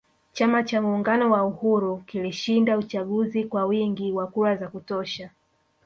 Chama cha muungano wa uhuru kilishinda uchaguzi kwa wingi wa kura za kutosha